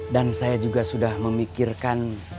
dan saya juga sudah memikirkan